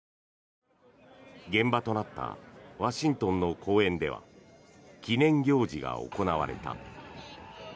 現場となったワシントンの公園では記念行事が行われた。